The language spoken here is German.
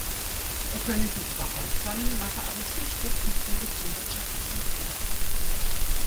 Er könne sie zwar auffangen, mache aber süchtig und führe zum wirtschaftlichen Tod.